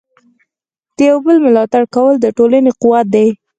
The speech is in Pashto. د یو بل ملاتړ کول د ټولنې قوت دی.